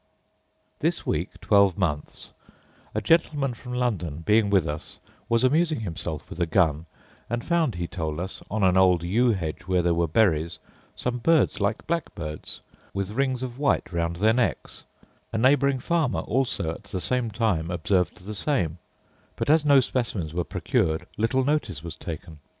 This week twelve months a gentleman from London, being with us, was amusing himself with a gun, and found, he told us, on an old yew hedge where there were berries, some birds like blackbirds, with rings of white round their necks: a neighbouring farmer also at the same time observed the same; but, as no specimens were procured little notice was taken.